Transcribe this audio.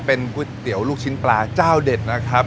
เป็นก๋วยเตี๋ยวลูกชิ้นปลาเจ้าเด็ดนะครับ